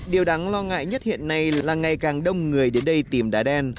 điều đáng lo ngại nhất hiện nay là ngày càng đông người đến đây tìm đá đen